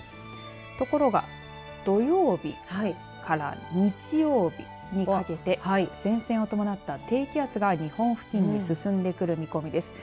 ところが土曜日から日曜日にかけて前線を伴った低気圧が日本付近に進んでくる見込みです。